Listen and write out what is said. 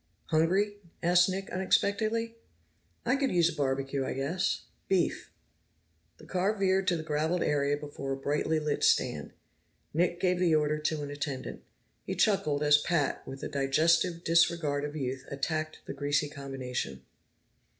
"Hungry?" asked Nick unexpectedly. "I could use a barbecue, I guess. Beef." The car veered to the graveled area before a brightly lit stand. Nick gave the order to an attendant. He chuckled as Pat, with the digestive disregard of youth attacked the greasy combination.